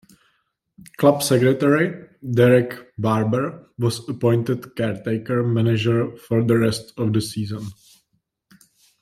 Club secretary Derek Barber was appointed caretaker manager for the rest of the season.